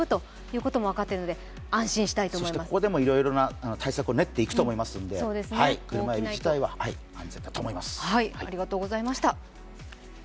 ここでもいろいろな対策を練っていくと思いますので、車えび自体は安全だと思います。